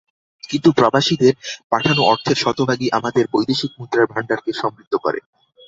কিন্তু প্রবাসীদের পাঠানো অর্থের শতভাগই আমাদের বৈদেশিক মুদ্রার ভান্ডারকে সমৃদ্ধ করে।